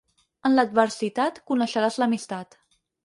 En l'adversitat coneixeràs l'amistat.